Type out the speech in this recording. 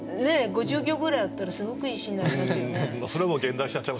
５０行ぐらいあったらすごくいい詩になりますよね。